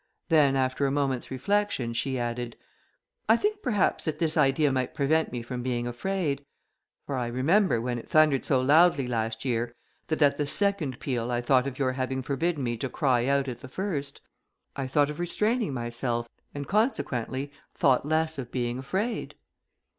Then, after a moment's reflection, she added, "I think, perhaps, that this idea might prevent me from being afraid; for I remember, when it thundered so loudly last year, that at the second peal I thought of your having forbidden me to cry out at the first; I thought of restraining myself, and consequently thought less of being afraid."